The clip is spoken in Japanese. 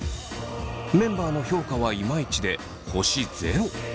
メンバーの評価はイマイチで星ゼロ。